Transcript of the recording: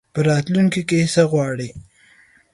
په راتلونکي کي څه غواړې ؟